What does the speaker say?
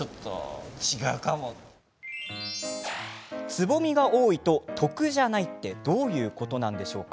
つぼみが多いと得じゃないってどういうことでしょうか？